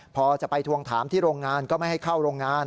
พอจะไปทวงถามที่โรงงานก็ไม่ให้เข้าโรงงาน